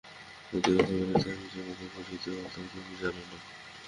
সত্য কথা বলি, আমি যে কত দরিদ্র তা তুমি জান না।